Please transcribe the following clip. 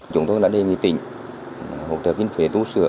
chúng tôi đã đề nghị tỉnh hỗ trợ kinh phế tu sửa